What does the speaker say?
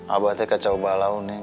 abah tuh kacau balau neng